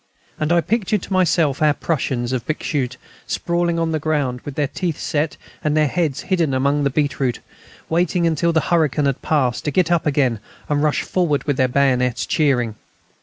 And I pictured to myself our Prussians of Bixschoote sprawling on the ground, with their teeth set and their heads hidden among the beetroot, waiting until the hurricane had passed, to get up again and rush forward with their bayonets, cheering!